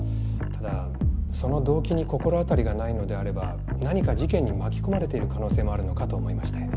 ただその動機に心当たりがないのであれば何か事件に巻き込まれている可能性もあるのかと思いまして。